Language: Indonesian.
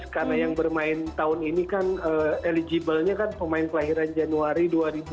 karena yang bermain tahun ini kan eligible nya pemain kelahiran januari dua ribu tiga